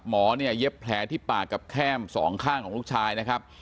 หมอเนี่ยเย็บแผลที่ปากกับแข้มสองข้างของลูกชายนะครับ